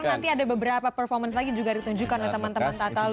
karena nanti ada beberapa performance lagi juga ditunjukkan oleh teman teman tata lu